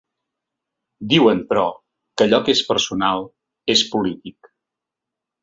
Diuen, però, que allò que és personal, és polític.